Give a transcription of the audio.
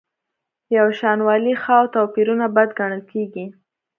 یوشانوالی ښه او توپیرونه بد ګڼل کیږي.